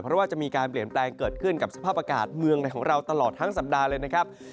เพราะว่าจะมีการเปลี่ยนแปลงเกิดขึ้นกับสภาพอากาศเมืองในของเราตลอดทั้งสัปดาห์เลยนะครับ